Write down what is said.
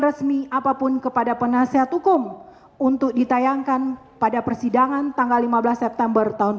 resmi apapun kepada penasehat hukum untuk ditayangkan pada persidangan tanggal lima belas september tahun dua ribu enam belas